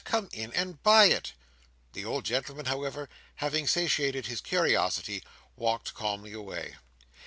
Come in and buy it!" The old gentleman, however, having satiated his curiosity, walked calmly away.